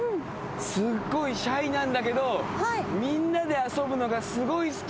すっごいシャイなんだけどみんなで遊ぶのがすごい好きだから。